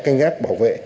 canh gác bảo vệ